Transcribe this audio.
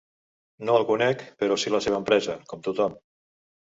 No el conec, però sí la seva empresa, com tothom.